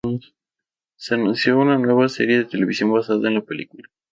Se anunció una nueva serie de televisión basada en la película.